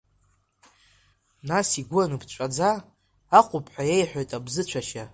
Нас игәы аныԥҵәаӡа, ахәыԥҳа иеиҳәеит абзыцәашьа…